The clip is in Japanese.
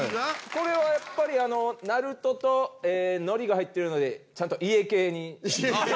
これはやっぱりあのなるととのりが入ってるのでちゃんと家系に。